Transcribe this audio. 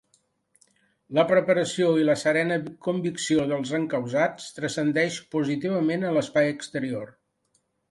La preparació i la serena convicció dels encausats transcendeix positivament a l’espai exterior.